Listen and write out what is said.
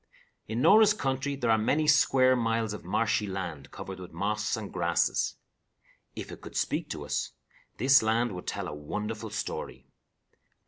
In Norah's country there are many square miles of marshy land covered with moss and grasses. If it could speak to us, this land would tell a wonderful story.